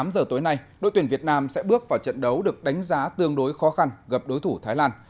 tám giờ tối nay đội tuyển việt nam sẽ bước vào trận đấu được đánh giá tương đối khó khăn gặp đối thủ thái lan